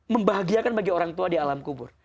membahagiakan bagi orang tua di alam kubur